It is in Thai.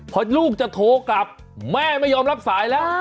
พอลูกจะโทรกลับแม่ไม่ยอมรับสายแล้ว